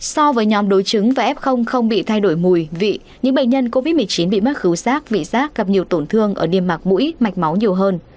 so với nhóm đối chứng và f không bị thay đổi mùi vị những bệnh nhân covid một mươi chín bị mất khấu giác vị giác gặp nhiều tổn thương ở niềm mặt mũi mạch máu nhiều hơn